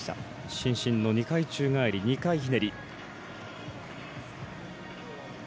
伸身の２回宙返り２回ひねり。